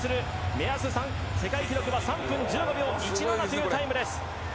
目安、世界記録は３分１５秒１７というタイム。